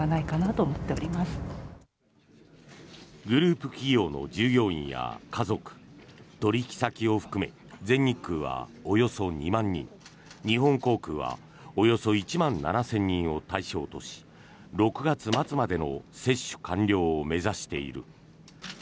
グループ企業の従業員や家族取引先を含め全日空はおよそ２万人日本航空はおよそ１万７０００人を対象とし６月末までの接種完了を目指している。